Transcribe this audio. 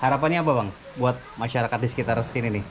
harapannya apa bang buat masyarakat di sekitar sini nih